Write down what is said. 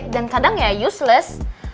dan kadang ya useless